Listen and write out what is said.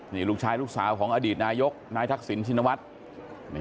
นี่ลูกชายลูกสาวของอดีตนายกนายทักษิณชินวัฒน์